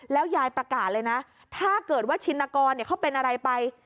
แล้วยายประกาศเลยนะถ้าเกิดว่าชินกรเขาเป็นอะไรไป